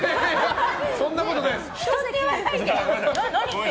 そんなことないです。